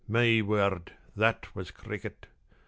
My word, that was cricket.